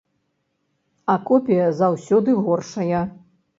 А копія заўсёды горшая.